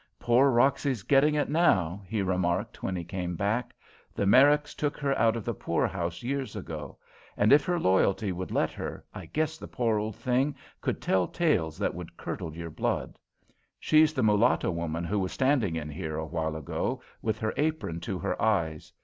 "Poor Roxy's getting it now," he remarked when he came back. "The Merricks took her out of the poor house years ago; and if her loyalty would let her, I guess the poor old thing could tell tales that would curdle your blood. She's the mulatto woman who was standing in here a while ago, with her apron to her eyes.